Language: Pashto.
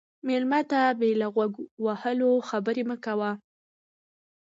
مېلمه ته بې له غوږ وهلو خبرې مه کوه.